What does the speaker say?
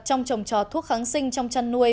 trong trồng trò thuốc kháng sinh trong chăn nuôi